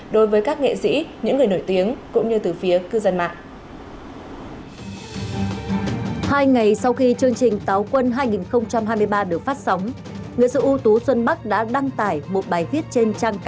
đối với các nghệ sĩ những người nổi tiếng cũng như từ phía cư dân mạng